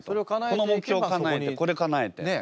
この目標かなえてこれかなえて。